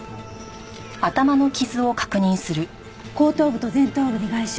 後頭部と前頭部に外傷。